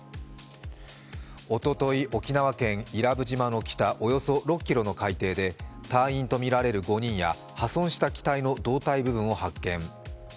おととい、沖縄県伊良部島の北およそ６ｋｍの海底で隊員とみられる５人や破損した機体の胴体部分を発見。